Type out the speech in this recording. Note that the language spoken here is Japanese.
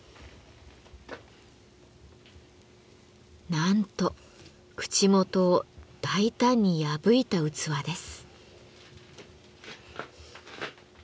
なんと口元を大胆に破いた器です。